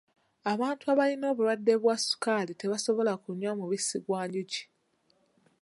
Abantu abalina obulwadde bwa ssukaali tebasobola kunywa mubisi gwa njuki.